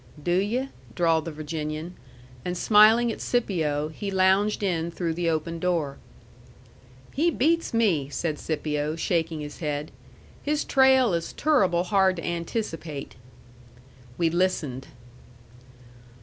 "Do yu'?" drawled the Virginian. And smiling at Scipio, he lounged in through the open door. "He beats me," said Scipio, shaking his head. "His trail is turruble hard to anticipate." We listened.